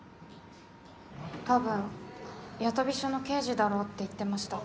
多分八飛署の刑事だろうって言ってました。